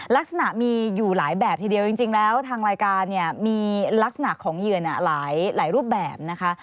ลักษณะมีอยู่หลายแบบทีเดียวจริงแล้วทางรายการเนี่ยมีลักษณะของเหยื่อหลายรูปแบบนะคะ